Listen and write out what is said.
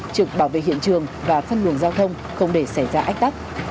trực bảo vệ hiện trường và phân luồng giao thông không để xảy ra ách tắc